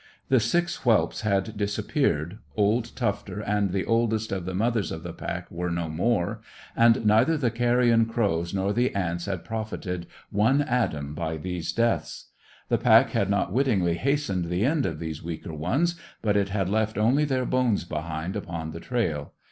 The six whelps had disappeared, old Tufter and the oldest of the mothers of the pack were no more, and neither the carrion crows nor the ants had profited one atom by these deaths. The pack had not wittingly hastened the end of these weaker ones, but it had left only their bones behind upon the trail.